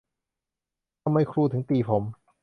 ทำไมครูถึงตีผม